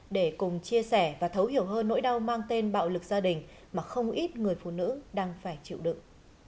để cùng chia sẻ và thấu hiểu hơn nỗi đau mang tên bạo lực gia đình mà không ít người phụ nữ đang phải chịu đựng